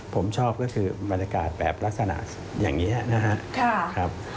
ผมชอบก็คือบรรยากาศแบบลักษณะอย่างนี้นะครับ